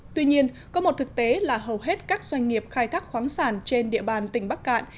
tuy nhiên có một thực tế là hầu hết các doanh nghiệp khai thác khoáng sản trên địa bàn tỉnh bắc cạn